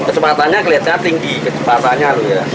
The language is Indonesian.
kecepatannya kelihatan tinggi kecepatannya